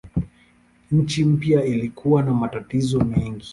Nchi mpya ilikuwa na matatizo mengi.